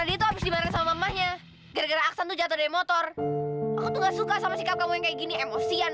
itu habis dimarahi sama mamanya jatuh motor aku tuh suka sama sikap kamu kayak gini emosian